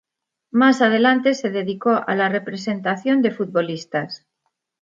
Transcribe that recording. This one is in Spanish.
Más adelante se dedicó a la representación de futbolistas.